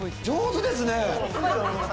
上手ですね！